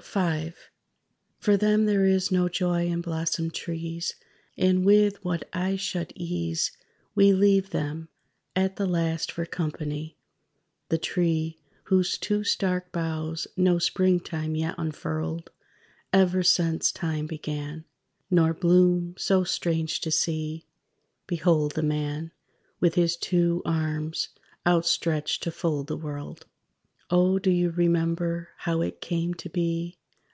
V For them there is no joy in blossomed trees. And with what eye shut ease We leave them, at the last, for company, The Tree, Whose two stark boughs no springtime yet unfurled, Ever, since time began; Nor bloom so strange to see! Behold, the Man, With His two arms outstretched to fold the world. _O, do you remember? How it came to be?